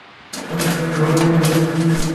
মানুষের ঢল নেমেছে।